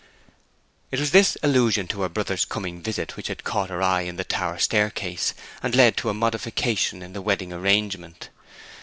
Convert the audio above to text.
It was this allusion to her brother's coming visit which had caught her eye in the tower staircase, and led to a modification in the wedding arrangement.